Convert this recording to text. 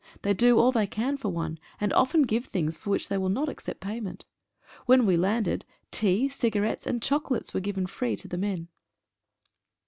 They do all they can for one, and often give things for which they will not accept payment. When we landed, tea, cigarettes, and chocolates were given free to the men.